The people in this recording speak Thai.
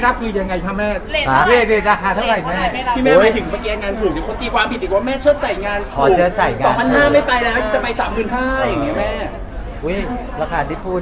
บอกต่ออย่างไรไม่ยอมด้วย